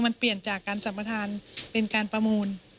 มันเปลี่ยนจากการสัมประธานเป็นการประมูล